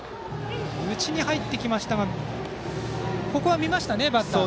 内に入ってきましたがここは見ましたね、バッターは。